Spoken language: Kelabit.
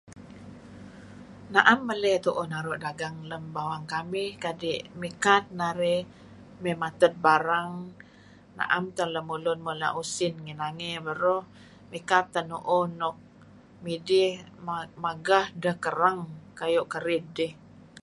Na'em meley tu'uh naru' dagang lem bawang kamih kadi' mikat narih mey mated barang na'em teh lemulun mula' usin ngi nangey beruh, mikat teh nu'uh nuk midih mageh deh kereng kayu' kerid dih.